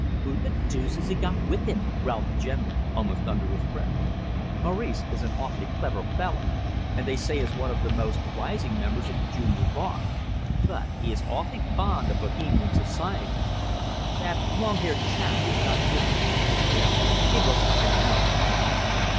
"Who the deuce has he got with him?" growled the General, almost under his breath. "Maurice is an awfully clever fellow, and they say is one of the most rising members of the junior bar, but he is awfully fond of Bohemian society. That long haired chap he has got with him. Well, he looks like an anarchist."